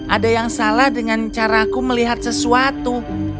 ada yang salah dengan cara aku melihat sesuatu